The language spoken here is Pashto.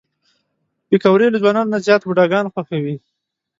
پکورې له ځوانانو نه زیات بوډاګان خوښوي